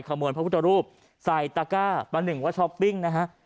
พระพุทธรูปใส่ตะก้าประหนึ่งว่าช้อปปิ้งนะฮะ